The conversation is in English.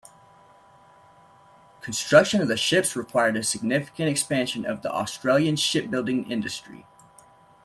Construction of the ships required a significant expansion of the Australian shipbuilding industry.